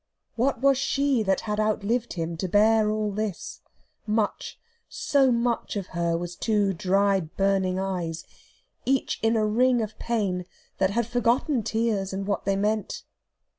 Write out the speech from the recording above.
What was she that had outlived him to bear all this? Much, so much, of her was two dry, burning eyes, each in a ring of pain, that had forgotten tears and what they meant.